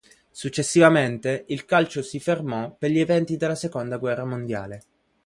Successivamente, il calcio si fermò per gli eventi della seconda guerra mondiale.